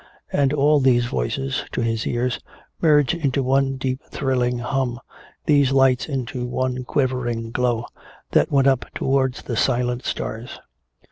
And all these voices, to his ears, merged into one deep thrilling hum, these lights into one quivering glow, that went up toward the silent stars.